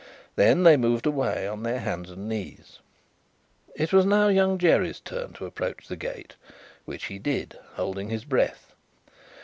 Then, they moved away on their hands and knees. It was now Young Jerry's turn to approach the gate: which he did, holding his breath.